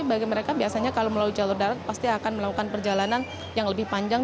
bagi mereka biasanya kalau melalui jalur darat pasti akan melakukan perjalanan yang lebih panjang